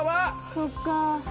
そっか。